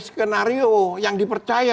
skenario yang dipercaya